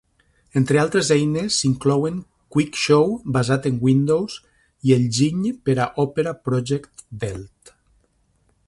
Entre altres eines s'inclouen QuickShow, basat en Windows, i el giny per a Opera Project Velt.